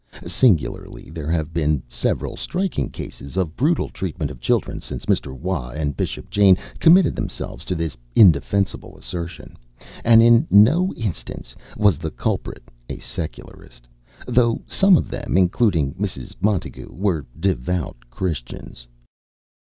Singularly, there have been several striking cases of brutal treatment of children since Mr. Waugh and Bishop Jayne committed themselves to this indefensible assertion, and in no instance was the culprit a Secularist, though some of them, including Mrs. Montagu, were devout Christians.